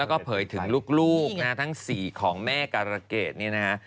แล้วก็เผยถึงลูกทั้ง๔ของแม่กรเกษนี่นะครับ